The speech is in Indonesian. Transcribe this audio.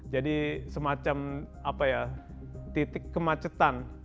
jadi semacam apa ya titik kemacetan